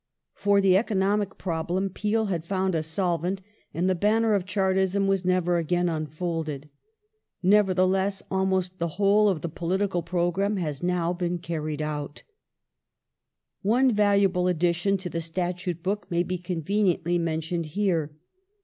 For the economic problem Peel had found a solvent, and the banner of Chartism was never again unfolded. Nevertheless, almost the whole of the political programme has now been carried out. Ten Hours One valuable addition to the Statute book may be conveniently ^^' mentioned here.